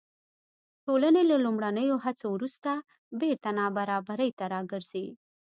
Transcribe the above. ټولنې له لومړنیو هڅو وروسته بېرته نابرابرۍ ته راګرځي.